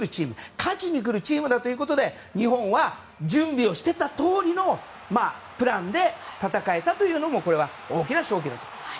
勝ちにくるチームだということで日本は準備をしてたとおりのプランで戦えたというのも大きな勝因だと思います。